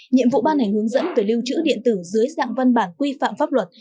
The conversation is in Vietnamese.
nhiệm vụ ban hành hướng dẫn về lưu trữ điện tử dưới dạng văn bản quy phạm pháp luật